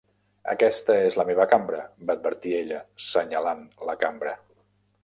"Aquesta és la meva cambra" va advertir ella, senyalant la cambra.